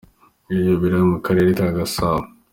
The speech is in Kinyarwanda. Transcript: Ibyo birahari mu karere ka Gasabo.